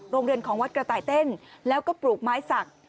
โรงเรียนของวัดกระต่ายเต้นแล้วก็ปลูกไม้สัก